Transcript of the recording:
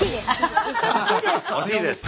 欲しいです！